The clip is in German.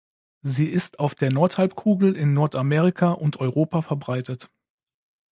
Sie ist auf der Nordhalbkugel in Nordamerika und Europa verbreitet.